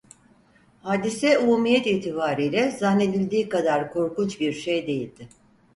Hadise, umumiyet itibariyle, zannedildiği kadar korkunç bir şey değildi.